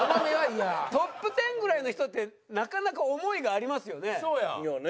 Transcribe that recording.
トップ１０ぐらいの人ってなかなか思いがありますよね？